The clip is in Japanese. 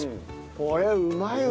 これうまいわ。